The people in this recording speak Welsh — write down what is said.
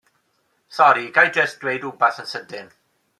Sori ga'i jyst deud 'wbath yn sydyn.